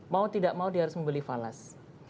mau tidak mau dia harus membeli falas